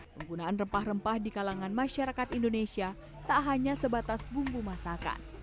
penggunaan rempah rempah di kalangan masyarakat indonesia tak hanya sebatas bumbu masakan